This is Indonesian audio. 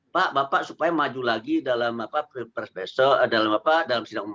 pak bapak supaya maju lagi dalam apa besok dalam apa dalam sinar umum